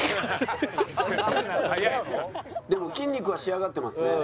でも筋肉は仕上がってますね。